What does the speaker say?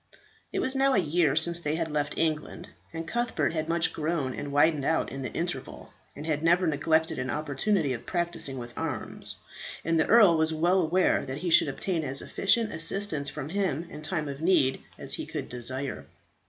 It was now a year since they had left England, and Cuthbert had much grown and widened out in the interval, and had never neglected an opportunity of practising with arms; and the earl was well aware that he should obtain as efficient assistance from him in time of need as he could desire.